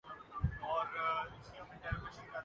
شاز و ناذر ہی شکایت کرتا ہوں